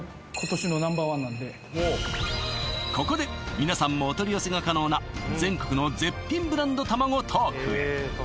これがここで皆さんもお取り寄せが可能な全国の絶品ブランド卵トークへ